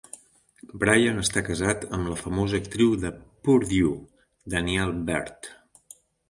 Brian està casat amb la famosa actriu de Purdue, Danielle Bird.